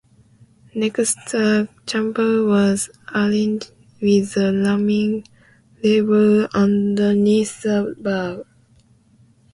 Next, the chamber was aligned with the ramming lever underneath the barrel.